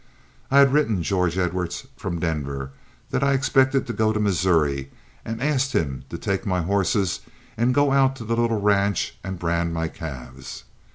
I had written George Edwards from Denver that I expected to go to Missouri, and asked him to take my horses and go out to the little ranch and brand my calves.